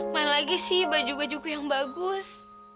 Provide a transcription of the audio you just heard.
main lagi sih baju bajuku yang bagus